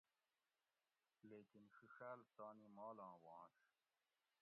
لیکِن ڛِڛاۤل تانی مالاں واںش